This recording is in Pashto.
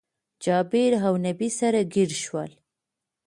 جابير اونبي سره ګير شول